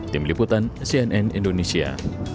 tim liputan cnn indonesia